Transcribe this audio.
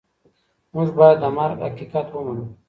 موږ باید د مرګ حقیقت ومنو.